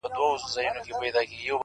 موږكانو ته معلوم د پيشو زور وو،